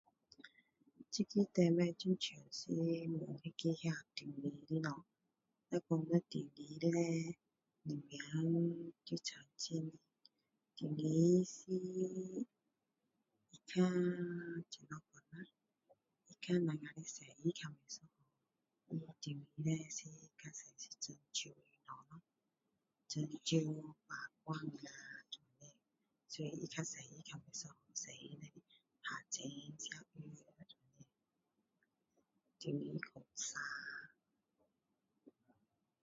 這個題目很像是問那個那中醫的東西若說到中醫叻有什麼差別中醫是那怎麼說啦跟我們的西醫較不一樣因為中醫比較多是針灸的東西針灸拔罐啊這樣所以跟西醫比較不一樣西醫就是打針吃藥這樣中醫刮痧